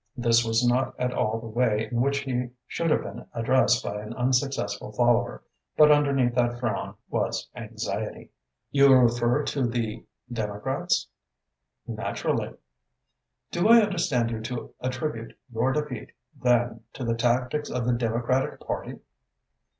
This was not at all the way in which he should have been addressed by an unsuccessful follower. But underneath that frown was anxiety. "You refer to the Democrats?" "Naturally." "Do I understand you to attribute your defeat, then, to the tactics of the Democratic Party?"